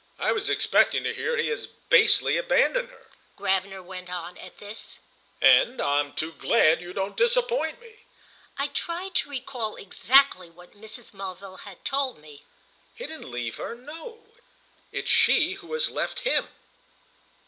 "I was expecting to hear he has basely abandoned her," Gravener went on, at this, "and I'm too glad you don't disappoint me." I tried to recall exactly what Mrs. Mulville had told me. "He didn't leave her—no. It's she who has left him."